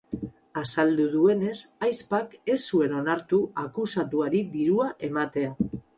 Azaldu duenez, ahizpak ez zuen onartu akusatuari dirua ematea.